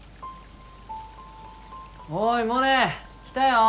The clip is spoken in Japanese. おいモネ！来たよ！